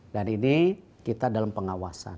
dan ini kita dalam pengawasan